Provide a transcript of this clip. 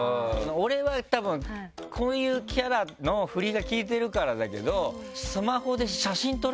俺はたぶんこういうキャラの振りがきいてるからだけどスマホで。